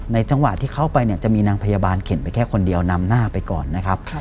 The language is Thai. จังหวะที่เข้าไปเนี่ยจะมีนางพยาบาลเข็นไปแค่คนเดียวนำหน้าไปก่อนนะครับ